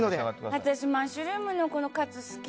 私マッシュルームのカツ好き！